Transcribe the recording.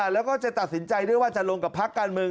แล้วก็จะตัดสินใจด้วยว่าจะลงกับพักการเมือง